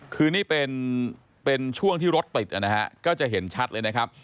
คือนี่เป็นช่วงที่รถติดนะฮะก็จะเห็นชัดเลยนะครับ